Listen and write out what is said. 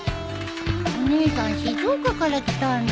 お姉さん静岡から来たんだ。